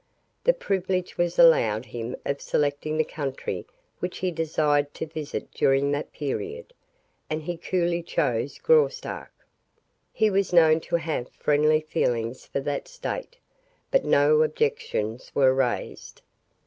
The privilege was allowed him of selecting the country which he desired to visit during that period, and he coolly chose Graustark. He was known to have friendly feelings for that state; but no objections were raised.